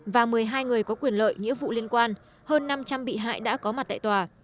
và một mươi hai người có quyền lợi nghĩa vụ liên quan hơn năm trăm linh bị hại đã có mặt tại tòa